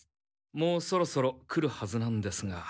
もうそろそろ来るはずなんですが。